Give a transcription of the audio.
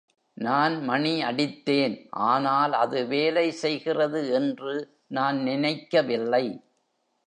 நான் மணி அடித்தேன், ஆனால் அது வேலை செய்கிறது என்று நான் நினைக்கவில்லை.